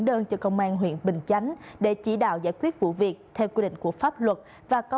đơn cho công an huyện bình chánh để chỉ đạo giải quyết vụ việc theo quy định của pháp luật và có